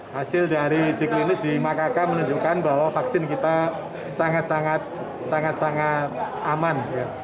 hasil dari uji klinis di makakaka menunjukkan bahwa vaksin kita sangat sangat aman